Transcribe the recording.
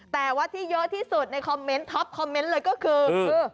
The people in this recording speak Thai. แต่ว่าที่เยอะที่สุดในคอมเมนต์ท็อปคอมเมนต์เลยก็คือ